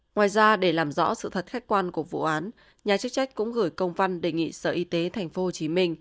ngoài ra để làm rõ sự thật khách quan của vụ án nhà chức trách cũng gửi công văn đề nghị sở y tế tp hcm